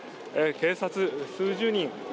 警察、数十人